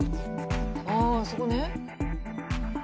ああそこね。